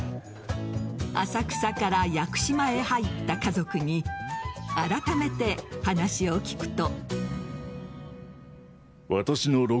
浅草から屋久島へ入った家族にあらためて話を聞くと。